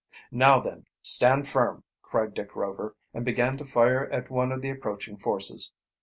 "Now then, stand firm!" cried Dick Rover, and began to fire at one of the approaching forces.